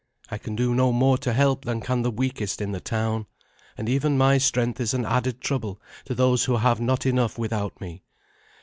I can do no more to help than can the weakest in the town; and even my strength is an added trouble to those who have not enough without me.